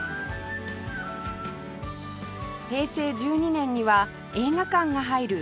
平成１２年には映画館が入る